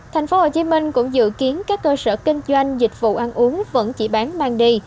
thành phố hồ chí minh cũng dự kiến các cơ sở kinh doanh dịch vụ ăn uống vẫn chỉ bán mang đi